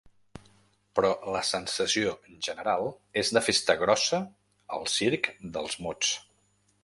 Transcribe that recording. Però la sensació general és de festa grossa al circ dels mots.